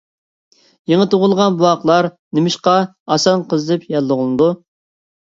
يېڭى تۇغۇلغان بوۋاقلار نېمىشقا ئاسان قىزىپ ياللۇغلىنىدۇ؟